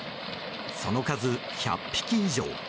その数、１００匹以上。